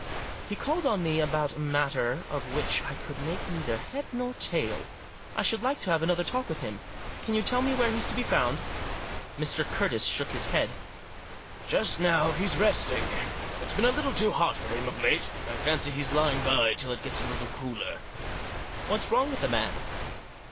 " He called on me about a matter of which I could make neither head nor tail. I should like to have another talk with him. Can you tell me where he's to be found?" Mr. Curtis shook his head. Digitized by MY CLIENT — AND HER FRIEND. 179 " Just now he's resting. It's been a little too hot for him of late. I fancy he's lying by till it gets a little cooler." " What's wrong with the man